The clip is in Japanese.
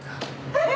えっ！？